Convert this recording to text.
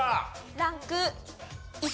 ランク１。